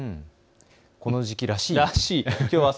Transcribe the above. この時期らしいです。